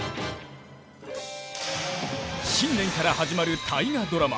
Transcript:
⁉新年から始まる大河ドラマ